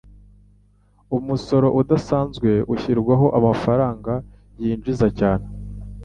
Umusoro udasanzwe ushyirwaho amafaranga yinjiza cyane.